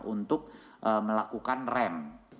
untuk melakukan rem